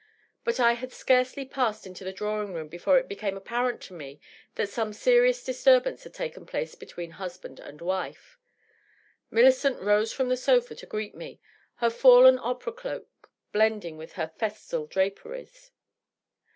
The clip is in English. But I had scarcely passed into the draw ing room before it became apparent to me that some serious disturbance had taken place between husband and wife. Millicent rose from a sofa to greet me, her &llen opera cloak blending with her festal draperies.